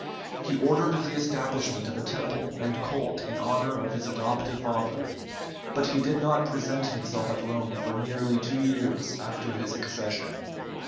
He ordered the establishment of a temple and cult in honor of his adoptive father, but he did not present himself at Rome for nearly two years after his accession.